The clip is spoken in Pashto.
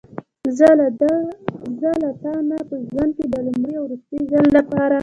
زه له تا نه په ژوند کې د لومړي او وروستي ځل لپاره.